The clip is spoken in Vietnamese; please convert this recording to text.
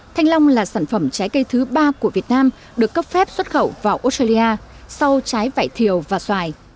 thanh long là sản phẩm trái cây thứ ba của việt nam được cấp phép xuất khẩu vào australia sau trái vải thiều và xoài